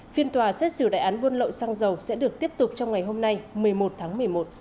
phiên tòa xét xử đại án buôn lậu xăng dầu sẽ được tiếp tục trong ngày hôm nay một mươi một tháng một mươi một